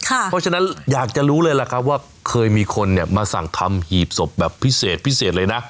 เพราะฉะนั้นอยากจะรู้เลยล่ะครับว่าเคยมีคนเนี่ยมาสั่งทำหีบศพแบบพิเศษพิเศษเลยนะ